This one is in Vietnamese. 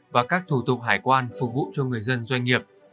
và các thủ tục hải quan phục vụ cho người dân doanh nghiệp